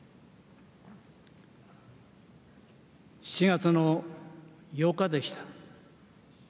７月の８日でした。